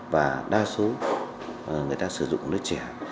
và đa số người ta sử dụng đứa trẻ